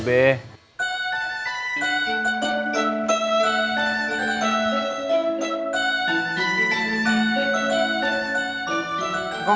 be be jangan lo ya